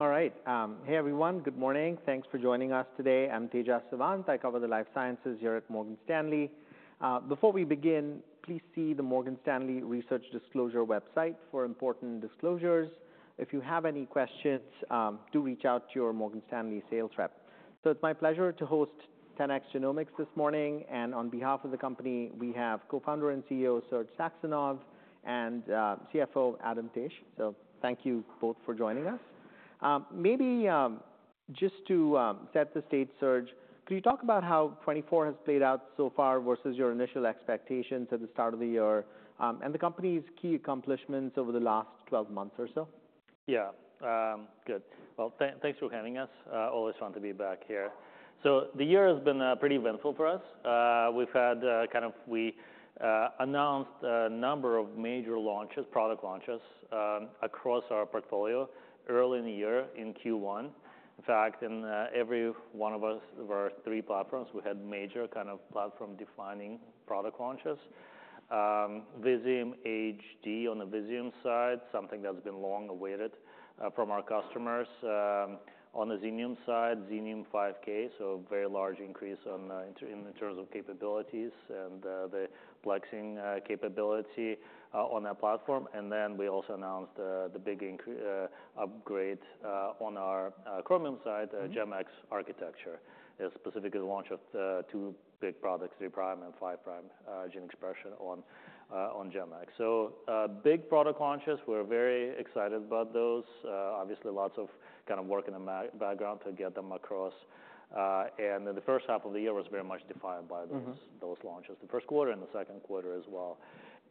All right. Hey, everyone. Good morning. Thanks for joining us today. I'm Tejas Savant. I cover the life sciences here at Morgan Stanley. Before we begin, please see the Morgan Stanley Research Disclosure website for important disclosures. If you have any questions, do reach out to your Morgan Stanley sales rep. So it's my pleasure to host 10x Genomics this morning, and on behalf of the company, we have Co-founder and CEO Serge Saxonov and CFO Adam Taich. So thank you both for joining us. Maybe just to set the stage, Serge, could you talk about how twenty-four has played out so far versus your initial expectations at the start of the year, and the company's key accomplishments over the last twelve months or so? Good. Thanks for having us. Always fun to be back here. The year has been pretty eventful for us. We announced a number of major launches, product launches, across our portfolio early in the year, in Q1. In fact, in every one of our three platforms, we had major kind of platform-defining product launches. Visium HD on the Visium side, something that's been long awaited from our customers. On the Xenium side, Xenium 5K, so a very large increase in terms of capabilities and the plexing capability on that platform. And then we also announced the big upgrade on our Chromium side, GEM-X architecture. Specifically the launch of two big products, three prime and five prime gene expression on GEM-X. So, big product launches, we're very excited about those. Obviously, lots of kind of work in the background to get them across. And then the first half of the year was very much defined by those launches, the first quarter and the second quarter as well.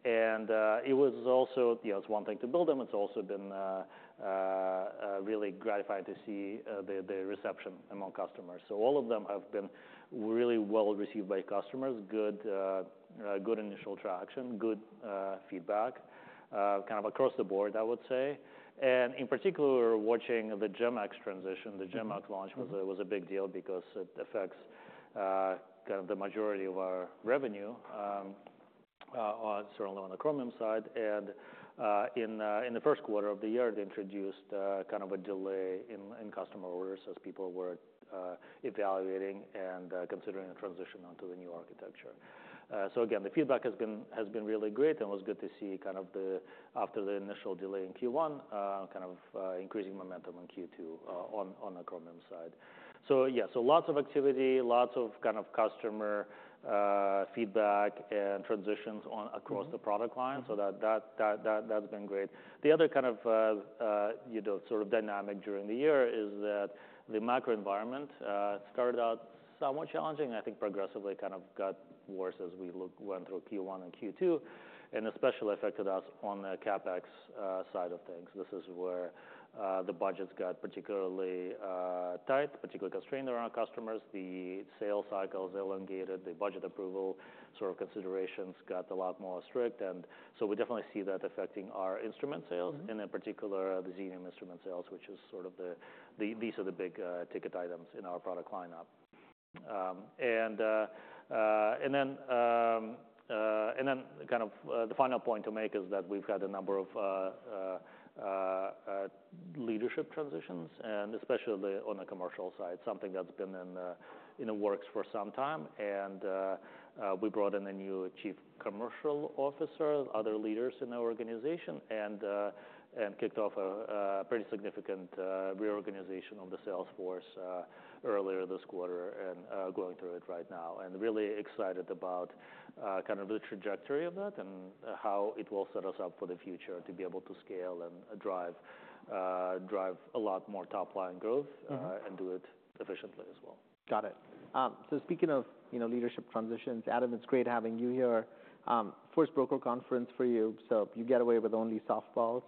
And it was also you know, it's one thing to build them, it's also been really gratifying to see the reception among customers. So all of them have been really well received by customers. Good initial traction, good feedback kind of across the board, I would say. And in particular, we're watching the GEM-X transition. The GEM-X launch was a big deal because it affects kind of the majority of our revenue on, certainly on the Chromium side. In the first quarter of the year, it introduced kind of a delay in customer orders as people were evaluating and considering a transition onto the new architecture. So again, the feedback has been really great, and it was good to see kind of the after the initial delay in Q1 kind of increasing momentum in Q2 on the Chromium side. Lots of activity, lots of kind of customer feedback and transitions on across the product line. So that, that's been great. The other kind of, you know, sort of dynamic during the year is that the macro environment started out somewhat challenging, progressively kind of got worse as we went through Q1 and Q2, and especially affected us on the CapEx side of things. This is where the budgets got particularly tight, particularly constrained around our customers. The sales cycles elongated, the budget approval sort of considerations got a lot more strict, and so we definitely see that affecting our instrument sales and in particular, the Xenium instrument sales, which is sort of the, these are the big ticket items in our product lineup. The kind of the final point to make is that we've had a number of leadership transitions, and especially on the commercial side, something that's been in the works for some time. And we brought in a new Chief Commercial Officer, other leaders in our organization, and kicked off a pretty significant reorganization of the sales force earlier this quarter and going through it right now and really excited about kind of the trajectory of that and how it will set us up for the future to be able to scale and drive a lot more top-line growth and do it efficiently as well. Got it. So speaking of, you know, leadership transitions, Adam, it's great having you here. First broker conference for you, so you get away with only softballs.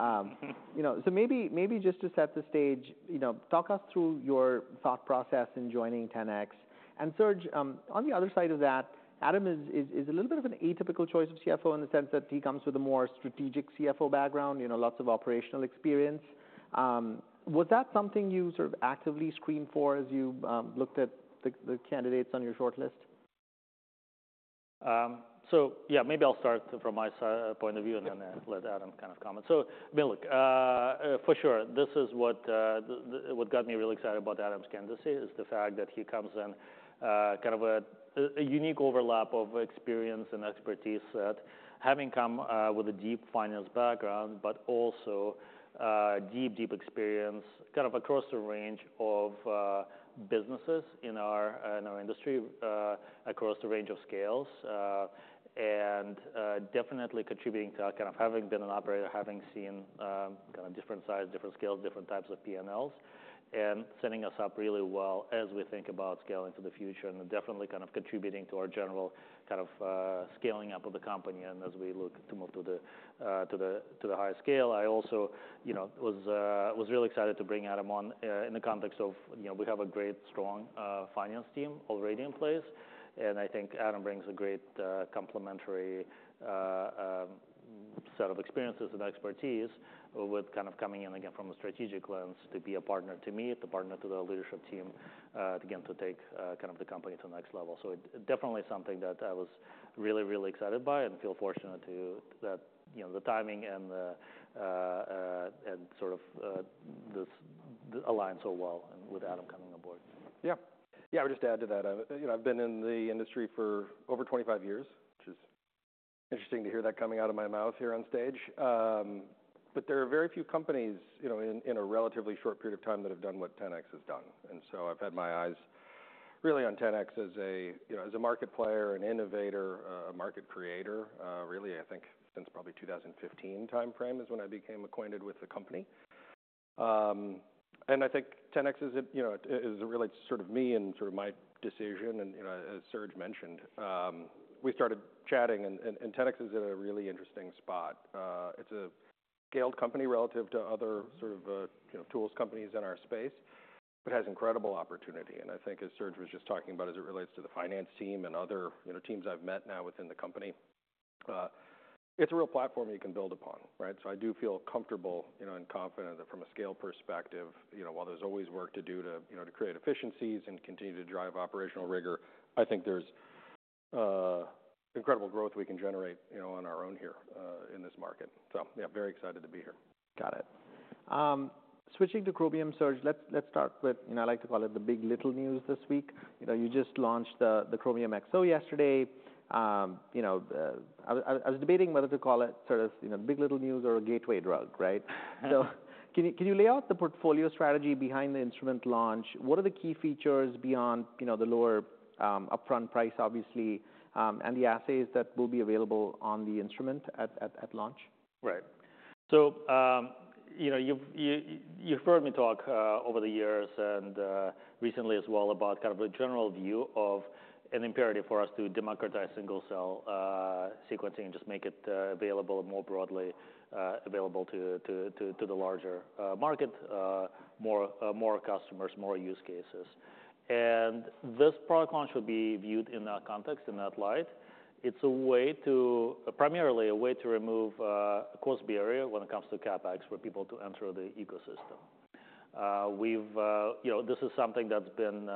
You know, so maybe just to set the stage, you know, talk us through your thought process in joining 10x. And Serge, on the other side of that, Adam is a little bit of an atypical choice of CFO in the sense that he comes with a more strategic CFO background, you know, lots of operational experience. Was that something you sort of actively screened for as you looked at the candidates on your shortlist? I'll start from my point of view and then let Adam kind of comment. For sure, this is what got me really excited about Adam's candidacy, is the fact that he comes in kind of a unique overlap of experience and expertise set, having come with a deep finance background, but also deep, deep experience kind of across the range of businesses in our industry across the range of scales and definitely contributing to kind of having been an operator, having seen kind of different sizes, different scales, different types of P&Ls, and setting us up really well as we think about scaling to the future and definitely kind of contributing to our general kind of scaling up of the company and as we look to move to the higher scale. I also, you know, was really excited to bring Adam on, in the context of, you know, we have a great, strong, finance team already in place, and Adam brings a great, complementary, set of experiences and expertise with kind of coming in, again, from a strategic lens, to be a partner to me, to partner to the leadership team, again, to take, kind of the company to the next level. So it definitely something that I was really, really excited by and feel fortunate to, you know, the timing and the, and sort of, this align so well with Adam coming on board. I would just add to that, you know, I've been in the industry for over twenty-five years, which is interesting to hear that coming out of my mouth here on stage. But there are very few companies, you know, in a relatively short period of time that have done what 10x has done. And so I've had my eyes really on 10x as a, you know, as a market player, an innovator, a market creator, really, since probably two thousand and fifteen timeframe, is when I became acquainted with the company. And 10x is a, you know, is really sort of me and sort of my decision, and, you know, as Serge mentioned, we started chatting, and 10x is in a really interesting spot. It's a scaled company relative to other sort of, you know, tools companies in our space, but has incredible opportunity, and as Serge was just talking about, as it relates to the finance team and other, you know, teams I've met now within the company, it's a real platform you can build upon, right, so I do feel comfortable, you know, and confident that from a scale perspective, you know, while there's always work to do to, you know, to create efficiencies and continue to drive operational rigor, There's incredible growth we can generate, you know, on our own here, in this market. Very excited to be here. Got it. Switching to Chromium, Serge, let's start with, you know, I like to call it the big-little news this week. You know, you just launched the Chromium Xo yesterday. You know, I was debating whether to call it sort of, you know, big-little news or a gateway drug, right? So can you lay out the portfolio strategy behind the instrument launch? What are the key features beyond, you know, the lower upfront price, obviously, and the assays that will be available on the instrument at launch? Right. So, you know, you've heard me talk over the years and recently as well, about kind of a general view of an imperative for us to democratize single-cell sequencing and just make it available more broadly to the larger market, more customers, more use cases. And this product launch will be viewed in that context, in that light. It's a way to... primarily a way to remove a cost barrier when it comes to CapEx, for people to enter the ecosystem. You know, this is something that's been,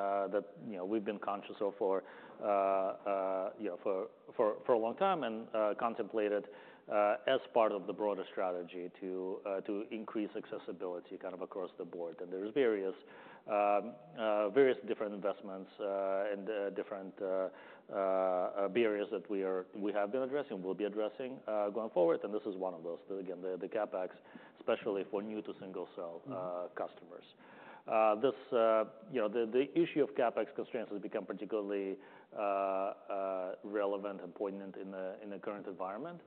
you know, we've been conscious of for a long time and contemplated as part of the broader strategy to increase accessibility kind of across the board. There is various different investments and different barriers that we have been addressing, we'll be addressing going forward, and this is one of those. But again, the CapEx, especially for new to single-cell customers. You know, the issue of CapEx constraints has become particularly relevant and poignant in the current environment.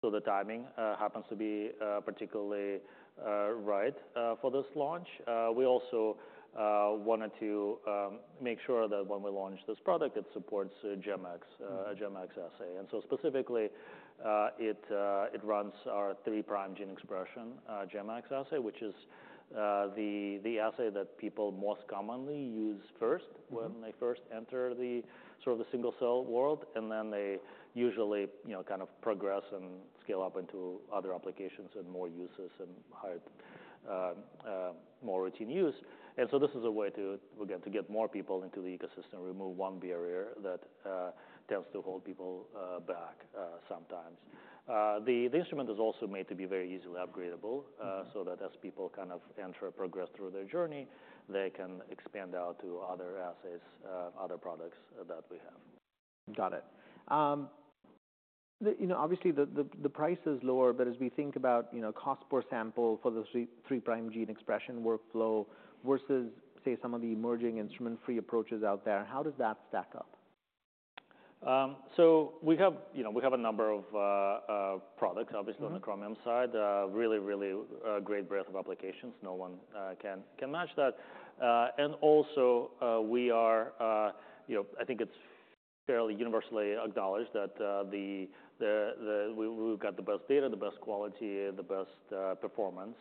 So the timing happens to be particularly right for this launch. We also wanted to make sure that when we launch this product, it supports GEM-X assay. And so specifically, it runs our three-prime gene expression, GEM-X assay, which is the assay that people most commonly use first when they first enter the sort of the single-cell world, and then they usually, you know, kind of progress and scale up into other applications and more uses and higher, more routine use. And so this is a way to, again, to get more people into the ecosystem, remove one barrier that tends to hold people back, sometimes. The instrument is also made to be very easily upgradable, so that as people kind of enter, progress through their journey, they can expand out to other assays, other products that we have. Got it. You know, obviously the price is lower, but as we think about, you know, cost per sample for the 3' gene expression workflow versus, say, some of the emerging instrument-free approaches out there, how does that stack up? So we have, you know, we have a number of products, obviously, on the Chromium side. Really, a great breadth of applications. No one can match that, and also, we are, you know, It's fairly universally acknowledged that we, we've got the best data, the best quality, and the best performance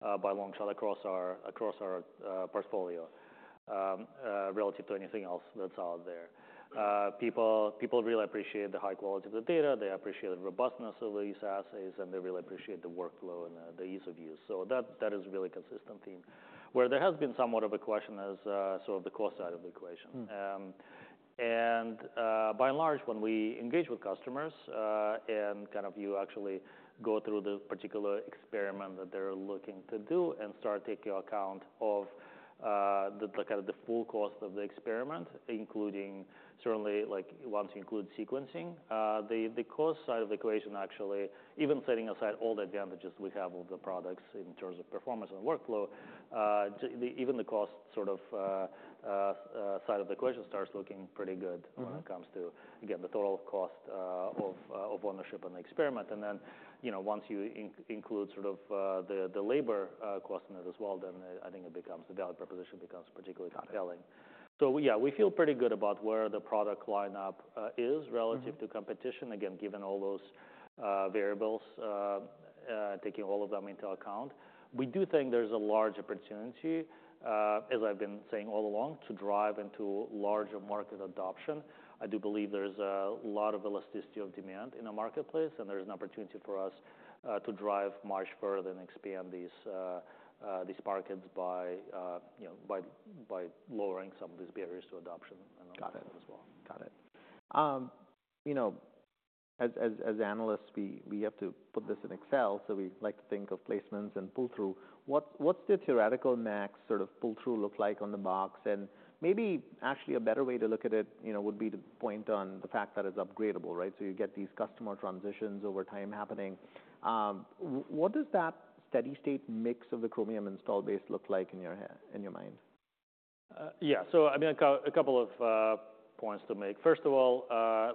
by long shot across our portfolio relative to anything else that's out there. People really appreciate the high quality of the data, they appreciate the robustness of these assays, and they really appreciate the workflow and the ease of use. So that is a really consistent theme. Where there has been somewhat of a question is sort of the cost side of the equation. And, by and large, when we engage with customers, and kind of you actually go through the particular experiment that they're looking to do and start taking account of the like kind of the full cost of the experiment, including certainly like once you include sequencing, the cost side of the equation actually, even setting aside all the advantages we have of the products in terms of performance and workflow, even the cost sort of side of the equation starts looking pretty good when it comes to, again, the total cost of ownership and the experiment. And then, you know, once you include sort of the labor cost in it as well, then it becomes, the value proposition becomes particularly compelling. We feel pretty good about where the product lineup is relative to competition. Again, given all those variables, taking all of them into account, we do think there's a large opportunity, as I've been saying all along, to drive into larger market adoption. I do believe there's a lot of elasticity of demand in the marketplace, and there is an opportunity for us to drive much further and expand these markets by, you know, by lowering some of these barriers to adoption as well. Got it. You know, as analysts, we have to put this in Excel, so we like to think of placements and pull-through. What's the theoretical max sort of pull-through look like on the box? And maybe actually a better way to look at it, you know, would be to point on the fact that it's upgradable, right? So you get these customer transitions over time happening. What does that steady state mix of the Chromium installed base look like in your head, in your mind? A couple of points to make. First of all,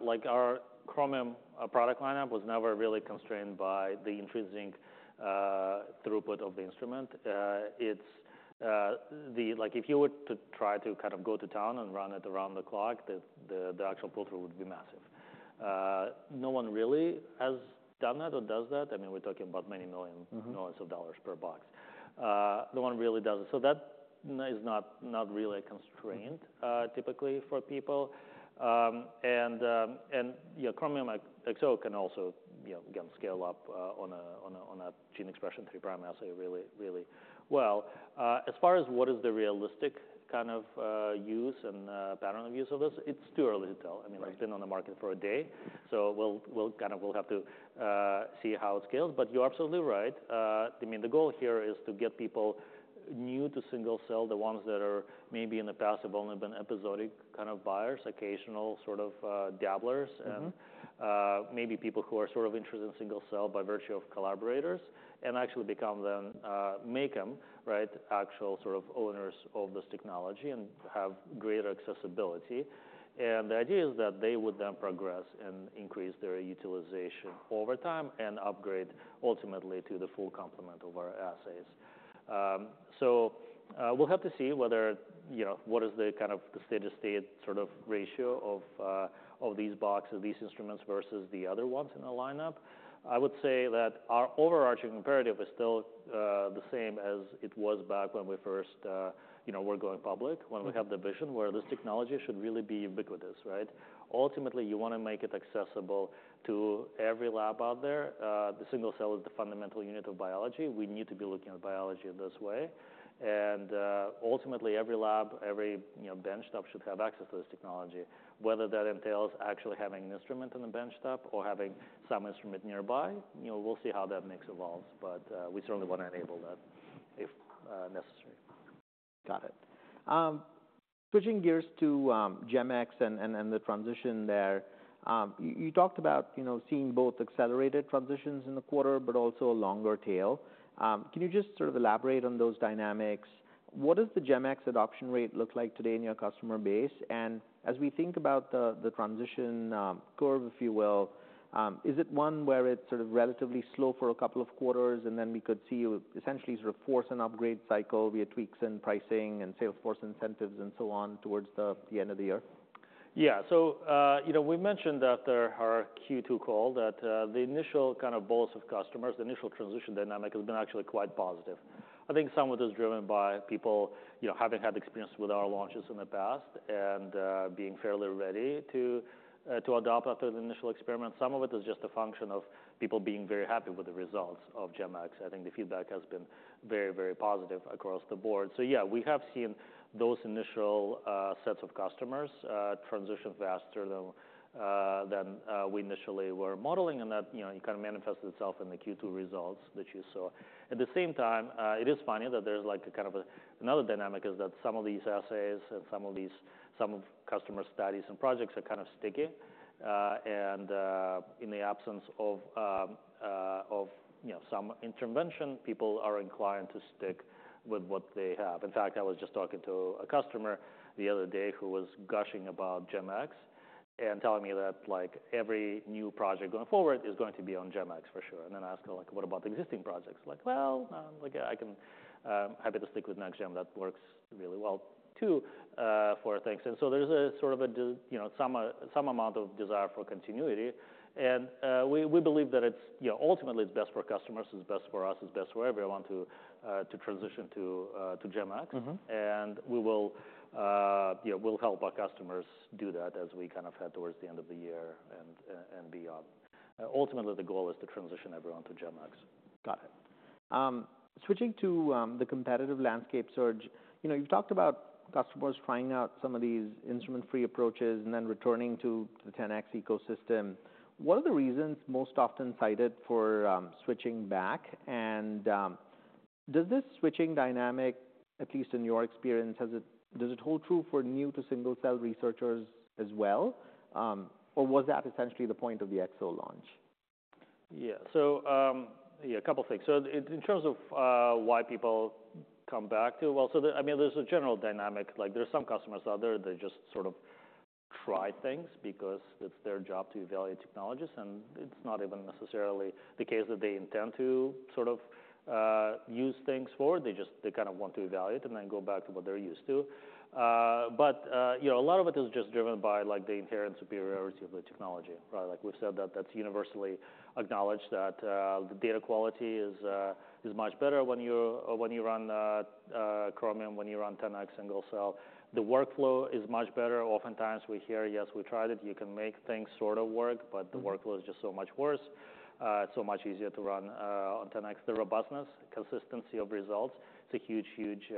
like our Chromium product lineup was never really constrained by the intrinsic throughput of the instrument. It's like, if you were to try to kind of go to town and run it around the clock, the actual pull-through would be massive. No one really has done that or does that. We're talking about many millions of dollars per box. No one really does it. So that is not, not really a constraint, typically for people. Chromium Xo can also, you know, again, scale up, on a 3' gene expression assay really, really well. As far as what is the realistic kind of, use and, pattern of use of this, it's too early to tell. It's been on the market for a day, so we'll kind of will have to see how it scales. But you're absolutely right. The goal here is to get people new to single-cell, the ones that are maybe in the past have only been episodic kind of buyers, occasional sort of dabblers- and, maybe people who are sort of interested in single cell by virtue of collaborators, and actually become then, make them, right, actual sort of owners of this technology and have greater accessibility. The idea is that they would then progress and increase their utilization over time and upgrade ultimately to the full complement of our assays. So, we'll have to see whether, you know, what is the kind of the steady state sort of ratio of these boxes, these instruments, versus the other ones in the lineup. I would say that our overarching imperative is still the same as it was back when we first, you know, were going public When we had the vision, where this technology should really be ubiquitous, right? Ultimately, you want to make it accessible to every lab out there. The single cell is the fundamental unit of biology. We need to be looking at biology in this way. And, ultimately, every lab, every, you know, benchtop should have access to this technology. Whether that entails actually having an instrument on the benchtop or having some instrument nearby, you know, we'll see how that mix evolves, but, we certainly want to enable that if, necessary. Got it. Switching gears to GEM-X and the transition there. You talked about, you know, seeing both accelerated transitions in the quarter, but also a longer tail. Can you just sort of elaborate on those dynamics? What does the GEM-X adoption rate look like today in your customer base? And as we think about the transition curve, if you will, is it one where it's sort of relatively slow for a couple of quarters, and then we could see essentially sort of force an upgrade cycle via tweaks in pricing and sales force incentives and so on, towards the end of the year? Yeah. So, you know, we mentioned that on our Q2 call, that the initial cohorts of customers, the initial transition dynamic has been actually quite positive. Some of it is driven by people, you know, having had experience with our launches in the past and being fairly ready to adopt after the initial experiment. Some of it is just a function of people being very happy with the results of GEM-X. The feedback has been very, very positive across the board. We have seen those initial sets of customers transition faster than we initially were modeling, and that, you know, it kind of manifested itself in the Q2 results that you saw. At the same time, it is funny that there's like a kind of a... Another dynamic is that some of these assays and some customer studies and projects are kind of sticky, and in the absence of you know some intervention, people are inclined to stick with what they have. In fact, I was just talking to a customer the other day who was gushing about GEM-X, and telling me that, like, every new project going forward is going to be on GEM-X for sure. And then I asked her, like, "What about the existing projects?" She's like, "Well, like I can happy to stick with Next GEM. That works really well too for things." And so there's a sort of a you know some amount of desire for continuity. We believe that it's, you know, ultimately it's best for customers, it's best for us, it's best for everyone to transition to GEM-X. And we will, you know, we'll help our customers do that as we kind of head towards the end of the year and, and beyond. Ultimately, the goal is to transition everyone to GEM-X. Got it. Switching to the competitive landscape search, you know, you've talked about customers trying out some of these instrument-free approaches and then returning to the 10x ecosystem. What are the reasons most often cited for switching back? And does this switching dynamic, at least in your experience, does it hold true for new to single-cell researchers as well? Or was that essentially the point of the Exo launch? Yeah. So, yeah, a couple of things. So in terms of why people come back to, well, there's a general dynamic, like there are some customers out there, they just sort of try things because it's their job to evaluate technologies, and it's not even necessarily the case that they intend to sort of use things for. They just kind of want to evaluate and then go back to what they're used to. But you know, a lot of it is just driven by, like, the inherent superiority of the technology, right? Like we've said, that's universally acknowledged that the data quality is much better when you run Chromium, when you run 10X single-cell. The workflow is much better. Oftentimes, we hear, "Yes, we tried it. You can make things sort of work, but the workflow is just so much worse.", so much easier to run, on 10x. The robustness, consistency of results, it's a huge, huge,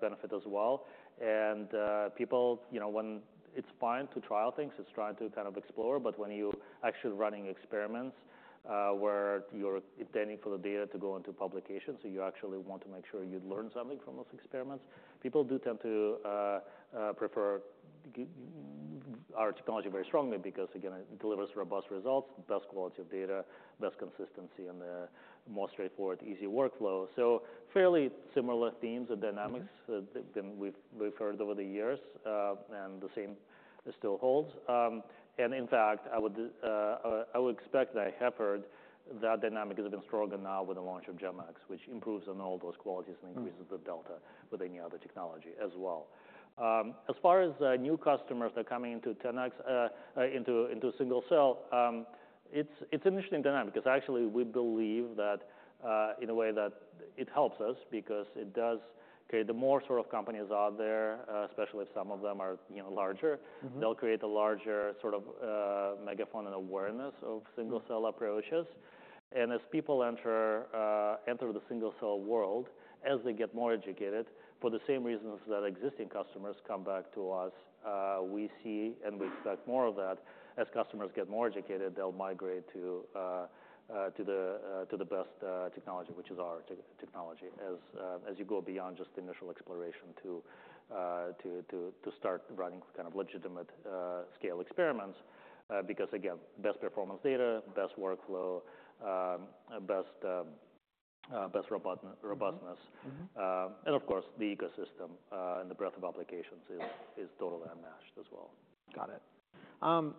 benefit as well. And, people, you know, when it's fine to trial things, it's trying to kind of explore, but when you're actually running experiments, where you're intending for the data to go into publication, so you actually want to make sure you learn something from those experiments. People do tend to, prefer our technology very strongly because, again, it delivers robust results, best quality of data, best consistency, and, more straightforward, easy workflow. So fairly similar themes and dynamics that we've heard over the years, and the same still holds. And in fact, I would expect, and I have heard that dynamic has been stronger now with the launch of GEM-X, which improves on all those qualities and increases the delta with any other technology as well. As far as the new customers that are coming into 10x, into single cell, it's an interesting dynamic, because actually we believe that, in a way that it helps us because it does... Okay, the more sort of companies out there, especially if some of them are, you know, larger. They'll create a larger sort of megaphone and awareness of single-cell approaches. And as people enter the single-cell world, as they get more educated, for the same reasons that existing customers come back to us, we see and we expect more of that. As customers get more educated, they'll migrate to the best technology, which is our technology, as you go beyond just the initial exploration to start running kind of legitimate scale experiments. Because, again, best performance data, best workflow, best robustness. And of course, the ecosystem and the breadth of applications is totally unmatched as well. Got it.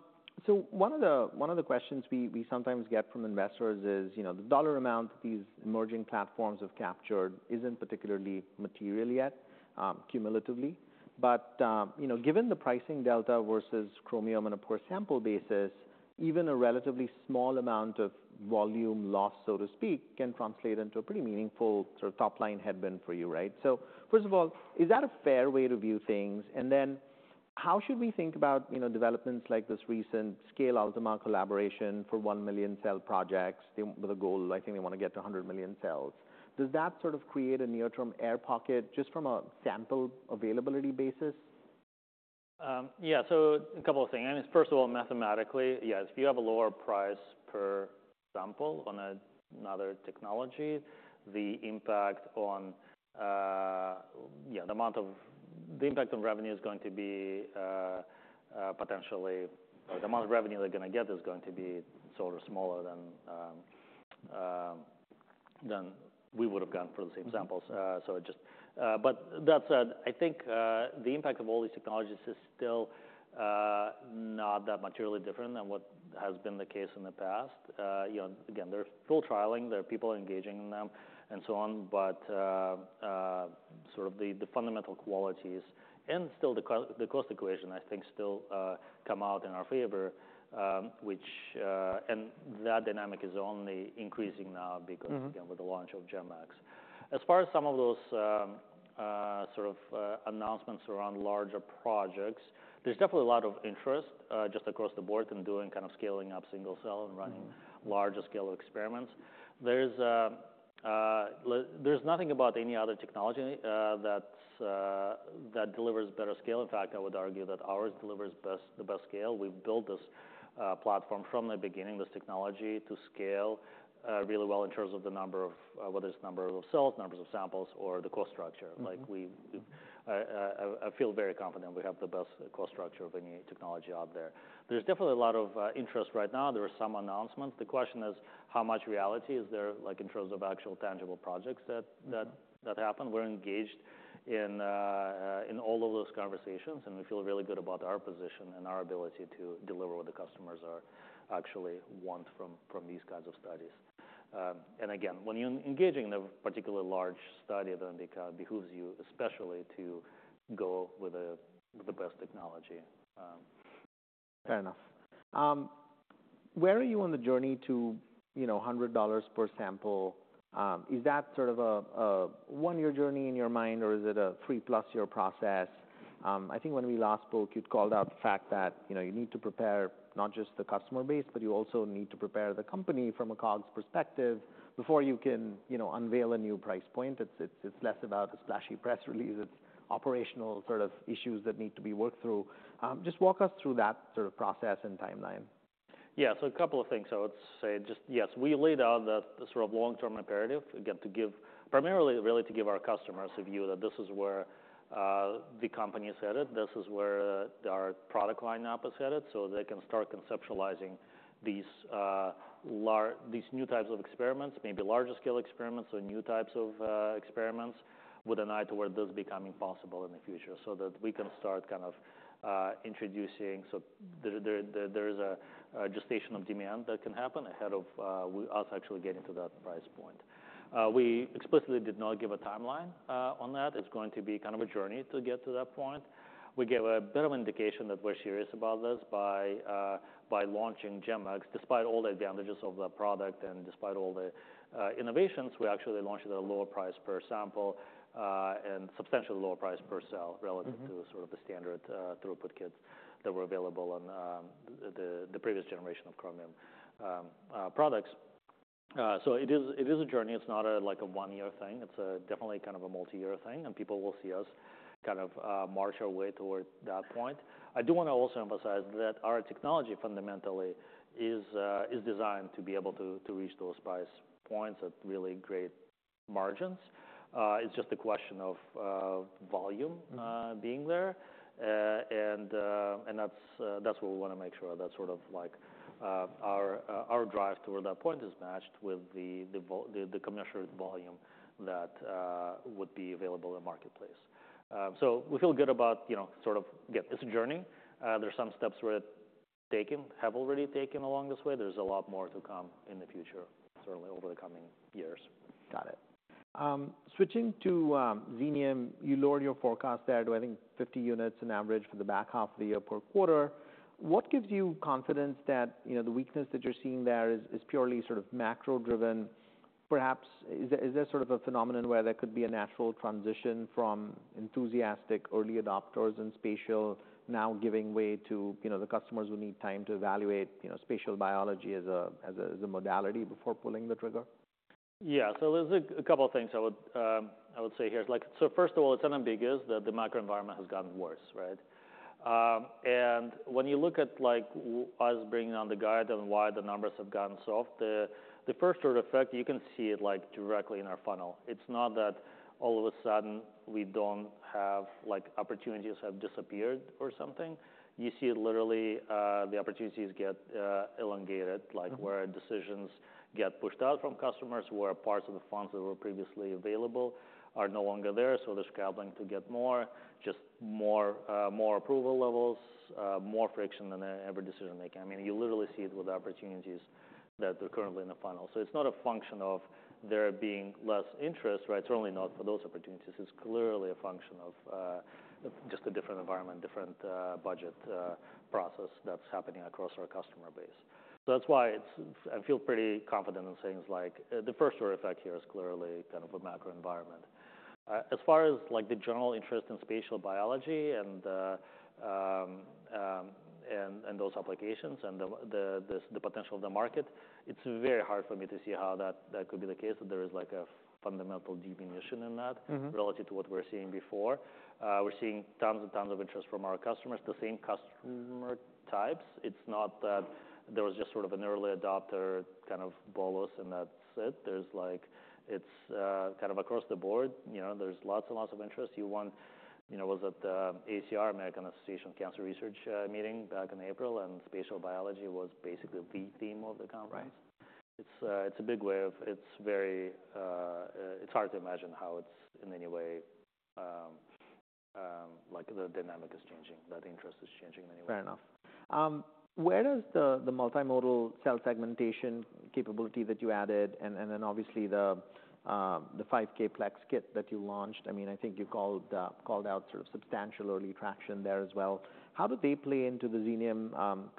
So one of the questions we sometimes get from investors is, you know, the dollar amount these emerging platforms have captured isn't particularly material yet, cumulatively. But, you know, given the pricing delta versus Chromium on a per-sample basis, even a relatively small amount of volume loss, so to speak, can translate into a pretty meaningful sort of top-line headwind for you, right? So first of all, is that a fair way to view things? And then how should we think about, you know, developments like this recent Scale Ultima collaboration for 1 million cell projects with a goal, they want to get to 100 million cells. Does that sort of create a near-term air pocket just from a sample availability basis? Yeah, so a couple of things. First of all, mathematically, yes, if you have a lower price per sample on another technology, the impact on revenue is going to be potentially, or the amount of revenue they're gonna get is going to be sort of smaller than we would have gotten for the same samples. But that said, the impact of all these technologies is still not that materially different than what has been the case in the past. You know, again, they're still trialing, there are people engaging in them and so on, but sort of the fundamental qualities and still the cost equation, still come out in our favor, which and that dynamic is only increasing now because again, with the launch of GEM-X. As far as some of those, sort of, announcements around larger projects, there's definitely a lot of interest, just across the board in doing kind of scaling up single cell and running larger scale experiments. There is, there's nothing about any other technology, that's that delivers better scale. In fact, I would argue that ours delivers the best scale. We've built this platform from the beginning, this technology, to scale really well in terms of the number of, whether it's number of cells, numbers of samples, or the cost structure. Like, we feel very confident we have the best cost structure of any technology out there. There's definitely a lot of interest right now. There are some announcements. The question is, how much reality is there, like, in terms of actual tangible projects that happen? We're engaged in all of those conversations, and we feel really good about our position and our ability to deliver what the customers actually want from these kinds of studies. And again, when you're engaging in a particularly large study, then it behooves you, especially to go with the best technology. Fair enough. Where are you on the journey to, you know, $100 per sample? Is that sort of a one-year journey in your mind, or is it a three-plus-year process? When we last spoke, you'd called out the fact that, you know, you need to prepare not just the customer base, but you also need to prepare the company from a cost perspective before you can, you know, unveil a new price point. It's less about a splashy press release, it's operational sort of issues that need to be worked through. Just walk us through that sort of process and timeline. Yeah, so a couple of things I would say. Just, yes, we laid out the sort of long-term imperative, again, to give, primarily, really to give our customers a view that this is where the company is headed, this is where our product lineup is headed, so they can start conceptualizing these new types of experiments, maybe larger scale experiments or new types of experiments with an eye toward those becoming possible in the future, so that we can start kind of introducing, so there is a gestation of demand that can happen ahead of us actually getting to that price point. We explicitly did not give a timeline on that. It's going to be kind of a journey to get to that point. We gave a bit of indication that we're serious about this by launching GEM-X. Despite all the advantages of the product and despite all the innovations, we actually launched at a lower price per sample and substantially lower price per cell relative to the sort of standard throughput kits that were available on the previous generation of Chromium products. So it is a journey. It's not a, like, a one-year thing. It's definitely kind of a multi-year thing, and people will see us kind of march our way toward that point. I do wanna also emphasize that our technology fundamentally is designed to be able to reach those price points at really great margins. It's just a question of volume being there, and that's what we wanna make sure that sort of like our drive toward that point is matched with the commensurate volume that would be available in the marketplace. So we feel good about, you know, sort of, yeah, it's a journey. There's some steps we're taking, have already taken along this way. There's a lot more to come in the future, certainly over the coming years. Got it. Switching to Xenium, you lowered your forecast there to, fifty units on average for the back half of the year per quarter. What gives you confidence that, you know, the weakness that you're seeing there is purely sort of macro-driven? Perhaps, is there sort of a phenomenon where there could be a natural transition from enthusiastic early adopters in spatial now giving way to, you know, the customers who need time to evaluate, you know, spatial biology as a modality before pulling the trigger? Yeah. So there's a couple of things I would say here. Like, so first of all, it's unambiguous that the macro environment has gotten worse, right? And when you look at, like, us bringing down the guide and why the numbers have gotten soft, the first order effect, you can see it, like, directly in our funnel. It's not that all of a sudden we don't have... like, opportunities have disappeared or something. You see it literally, the opportunities get elongated, like where decisions get pushed out from customers, where parts of the funds that were previously available are no longer there, so they're scrambling to get more, just more approval levels, more friction than in every decision making. You literally see it with the opportunities that are currently in the funnel. So it's not a function of there being less interest, right? Certainly not for those opportunities. It's clearly a function of just a different environment, different budget process that's happening across our customer base. So that's why it's. I feel pretty confident in saying, like, the first order effect here is clearly kind of a macro environment. As far as, like, the general interest in spatial biology and those applications and the potential of the market, it's very hard for me to see how that could be the case, that there is, like, a fundamental diminution in that relative to what we were seeing before. We're seeing tons and tons of interest from our customers, the same customer types. It's not that there was just sort of an early adopter kind of bolus, and that's it. There's like... it's kind of across the board. You know, there's lots and lots of interest. You know, I was at the AACR, American Association for Cancer Research, meeting back in April, and spatial biology was basically the theme of the conference. It's a big wave. It's hard to imagine how it's in any way, like, the dynamic is changing, that interest is changing in any way. Fair enough. Where does the multimodal cell segmentation capability that you added, and then obviously the 5K plex kit that you launched, you called out sort of substantial early traction there as well. How do they play into the Xenium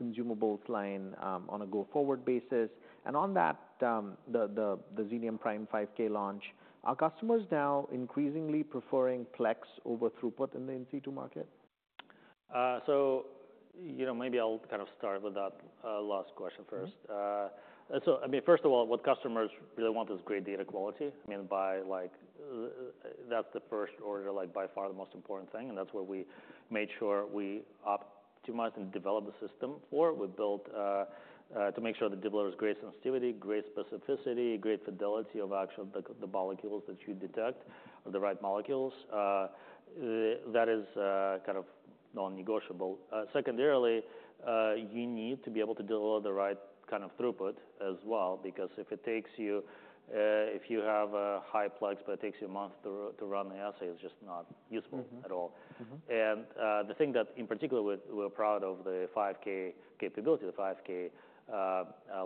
consumables line on a go-forward basis? And on that, the Xenium Prime 5K launch, are customers now increasingly preferring plex over throughput in then in situ market? So, you know, maybe I'll kind of start with that last question first. First of all, what customers really want is great data quality. That's the first order, like, by far the most important thing, and that's where we made sure we optimize and develop the system that we built to make sure that it delivers great sensitivity, great specificity, great fidelity of the actual molecules that you detect, the right molecules. That is kind of non-negotiable. Secondarily, you need to be able to deliver the right kind of throughput as well, because if you have a high plex, but it takes you a month to run the assay, it's just not useful at all. The thing that in particular, we're proud of the five K capability, the five K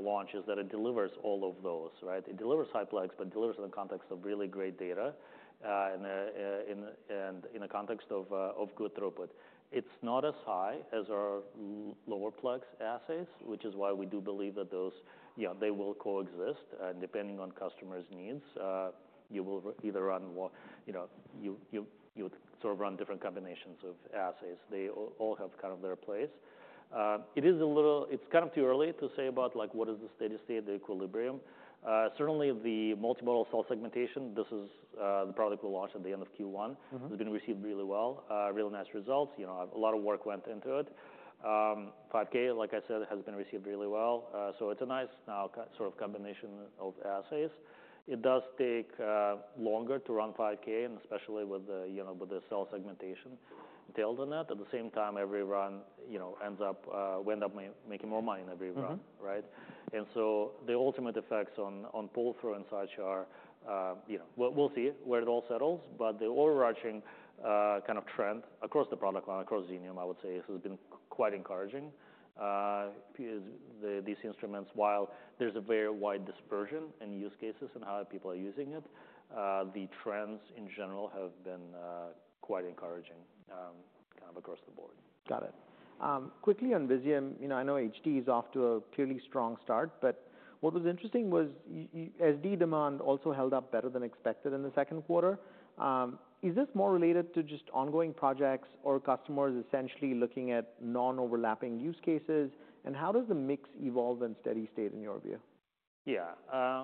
launch, is that it delivers all of those, right? It delivers high plex, but delivers in the context of really great data, and in the context of good throughput. It's not as high as our lower plex assays, which is why we do believe that those, you know, they will coexist. Depending on customers' needs, you will either run more, you know, you sort of run different combinations of assays. They all have kind of their place. It's kind of too early to say about, like, what is the steady state, the equilibrium. Certainly, the multimodal cell segmentation, this is the product we launched at the end of Q1. It's been received really well, really nice results. You know, a lot of work went into it. 5K, like I said, has been received really well, so it's a nice now kind, sort of combination of assays. It does take longer to run 5K, and especially with the, you know, with the cell segmentation built in that. At the same time, every run, you know, ends up, we end up making more money every run, right? And so the ultimate effects on, on pull-through and such are, you know, we'll see where it all settles. But the overarching kind of trend across the product line, across Xenium, I would say, has been quite encouraging. These instruments, while there's a very wide dispersion in use cases and how people are using it, the trends, in general, have been quite encouraging, kind of across the board. Got it. Quickly on Visium, you know, I know HD is off to a clearly strong start, but what was interesting was SD demand also held up better than expected in the second quarter. Is this more related to just ongoing projects or customers essentially looking at non-overlapping use cases? And how does the mix evolve in steady state, in your view? Yeah,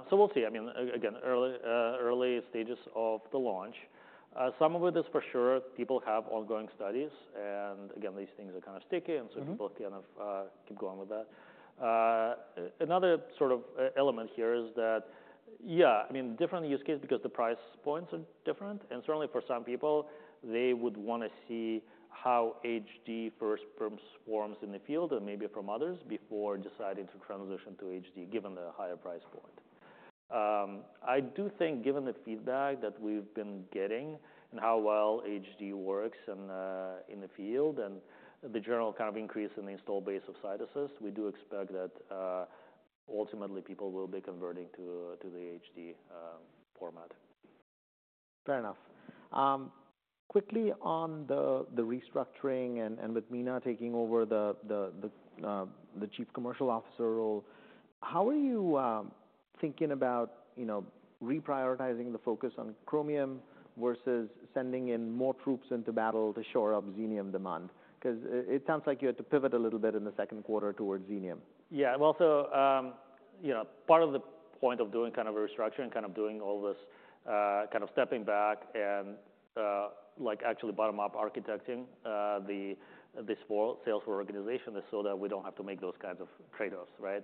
so we'll see. Again, early stages of the launch. Some of it is for sure, people have ongoing studies, and again, these things are kind of sticky And so people kind of keep going with that. Another sort of element here is different use case because the price points are different, and certainly for some people, they would wanna see how HD first performs in the field and maybe from others before deciding to transition to HD, given the higher price point. I do think, given the feedback that we've been getting and how well HD works in the field, and the general kind of increase in the installed base of CytAssist, we do expect that ultimately people will be converting to the HD format. Fair enough. Quickly on the restructuring and with Mina taking over the Chief Commercial Officer role, how are you thinking about, you know, reprioritizing the focus on Chromium versus sending in more troops into battle to shore up Xenium demand? 'Cause it sounds like you had to pivot a little bit in the second quarter towards Xenium. Yeah, and also, you know, part of the point of doing kind of a restructuring and kind of doing all this, kind of stepping back and, like actually bottom-up architecting, this whole sales organization is so that we don't have to make those kinds of trade-offs, right?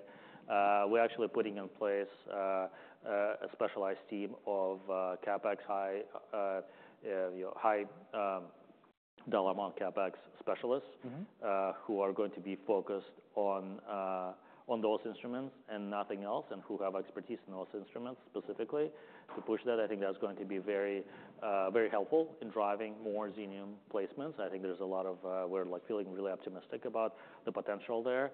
We're actually putting in place, a specialized team of, CapEx high, you know, high, dollar amount CapEx specialists who are going to be focused on, on those instruments and nothing else, and who have expertise in those instruments specifically. To push that, that's going to be very, very helpful in driving more Xenium placements. We're like feeling really optimistic about the potential there.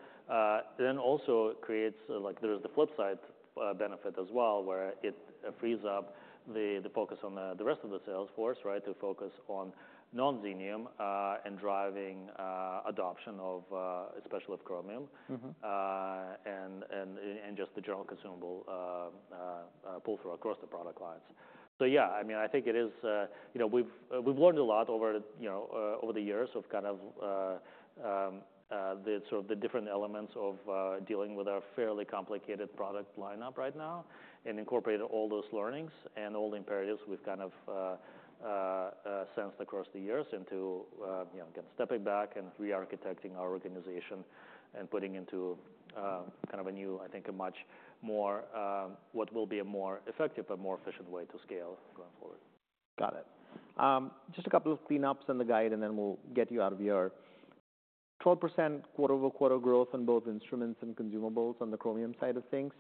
Then also it creates, like, there is the flip side, benefit as well, where it frees up the focus on the rest of the sales force, right, to focus on non-Xenium, and driving, adoption of, especially of Chromium. And just the general consumable pull through across the product lines. It is, you know, we've learned a lot over, you know, over the years of kind of the sort of different elements of dealing with our fairly complicated product lineup right now, and incorporated all those learnings and all the imperatives we've kind of sensed across the years into, you know, again, stepping back and re-architecting our organization and putting into kind of a new, a much more what will be a more effective but more efficient way to scale going forward. Got it. Just a couple of cleanups on the guide, and then we'll get you out of here. 12% quarter over quarter growth on both instruments and consumables on the Chromium side of things.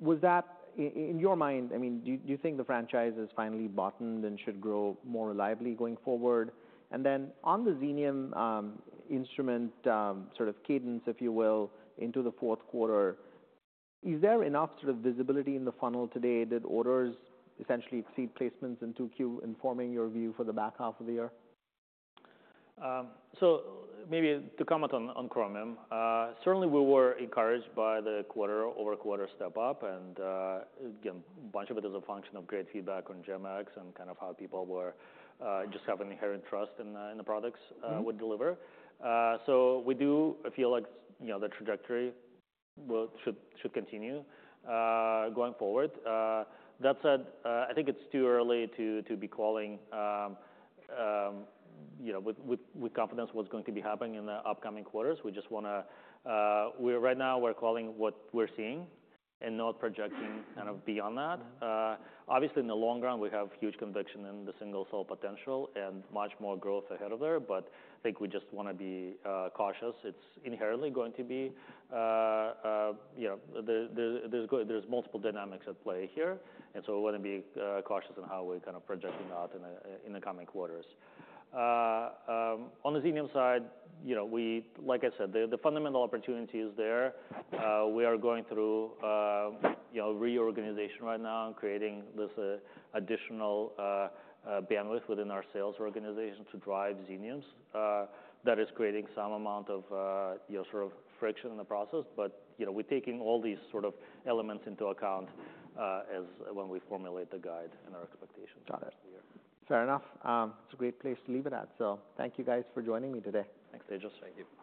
Was that in your mind, do you think the franchise has finally bottomed and should grow more reliably going forward? And then on the Xenium instrument, sort of cadence, if you will, into the fourth quarter, is there enough sort of visibility in the funnel today that orders essentially exceed placements in 2Q, informing your view for the back half of the year? So maybe to comment on Chromium, certainly we were encouraged by the quarter-over-quarter step up, and again, much of it is a function of great feedback on GEM-X and kind of how people were just have an inherent trust in the products would deliver. So we do feel like, you know, the trajectory will, should continue going forward. That said, It's too early to be calling, you know, with confidence, what's going to be happening in the upcoming quarters. We just wanna, right now we're calling what we're seeing and not projecting kind of beyond that. Obviously, in the long run, we have huge conviction in the single-cell potential and much more growth ahead of there, but we just wanna be cautious. It's inherently going to be, you know, there's multiple dynamics at play here, and so we wanna be cautious in how we're kind of projecting out in the coming quarters. On the Xenium side, you know, we, like I said, the fundamental opportunity is there. We are going through, you know, reorganization right now and creating this additional bandwidth within our sales organization to drive Xeniums. That is creating some amount of, you know, sort of friction in the process, but, you know, we're taking all these sort of elements into account, as when we formulate the guide and our expectations for the year. Got it. Fair enough. It's a great place to leave it at. So thank you guys for joining me today. Thanks, Tejas. Thank you.